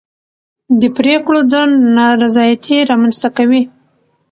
د پرېکړو ځنډ نارضایتي رامنځته کوي